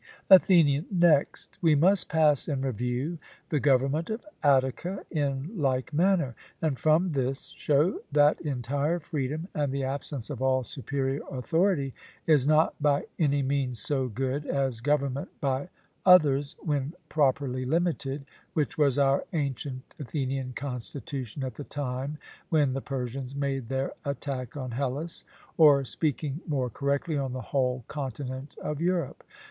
ATHENIAN: Next, we must pass in review the government of Attica in like manner, and from this show that entire freedom and the absence of all superior authority is not by any means so good as government by others when properly limited, which was our ancient Athenian constitution at the time when the Persians made their attack on Hellas, or, speaking more correctly, on the whole continent of Europe.